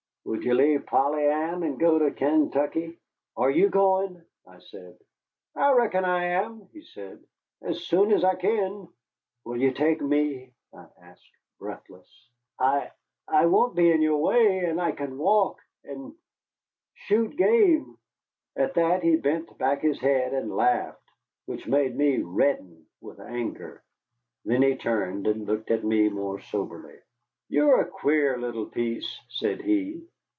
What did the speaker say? Would you leave Polly Ann and go to Kaintuckee?" "Are you going?" I said. "I reckon I am," he said, "as soon as I kin." "Will you take me?" I asked, breathless. "I I won't be in your way, and I can walk and shoot game." At that he bent back his head and laughed, which made me redden with anger. Then he turned and looked at me more soberly. "You're a queer little piece," said he.